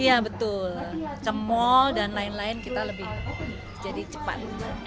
iya betul ke mall dan lain lain kita lebih cepat